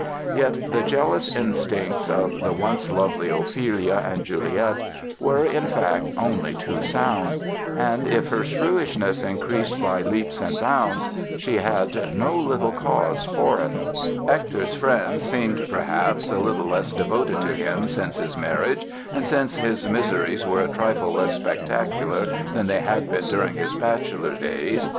Yet the jealous instincts of the once lovely Ophelia and Juliet were, in fact, only too sound and, if her shrewishness increased by leaps and bounds, she had no little cause for it. [Illustration: Berlioz's first wife] [Illustration: Berlioz's second wife] Hector's friends seemed, perhaps, a little less devoted to him since his marriage, and since his miseries were a trifle less spectacular than they had been during his bachelor days.